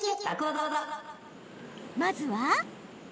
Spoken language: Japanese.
まずは？